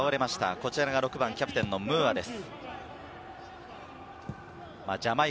こちらがキャプテンのムーアです。